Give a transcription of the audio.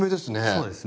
そうですね。